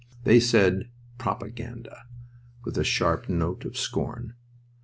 They said, "Propaganda!" with a sharp note of scorn.